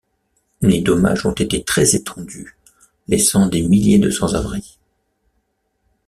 Les dommages ont été très étendus, laissant des milliers de sans-abris.